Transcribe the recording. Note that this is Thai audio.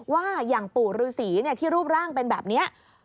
ว่าอย่างปู่ฤษีที่รูปร่างเป็นแบบนี้